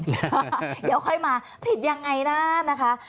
เดี๋ยวค่อยมาผิดยังไงนะนะคะ